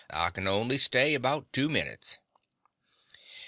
I can only stay about two minutes.